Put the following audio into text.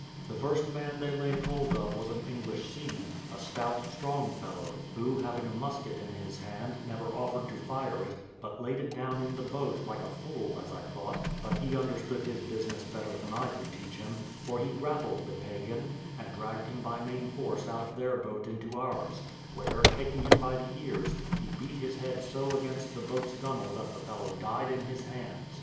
The first man they laid hold of was an English seaman, a stout, strong fellow, who having a musket in his hand, never offered to fire it, but laid it down in the boat, like a fool, as I thought; but he understood his business better than I could teach him, for he grappled the Pagan, and dragged him by main force out of their boat into ours, where, taking him by the ears, he beat his head so against the boat's gunnel that the fellow died in his hands.